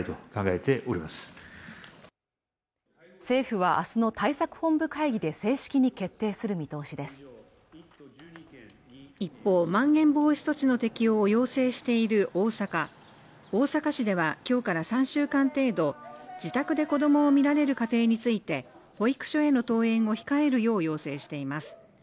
政府はあすの対策本部会議で正式に決定する見通しです一方まん延防止措置の適用を要請している大阪大阪市では今日から３週間程度自宅で子どもを見られる家庭について保育所への登園を控えるよう要請しています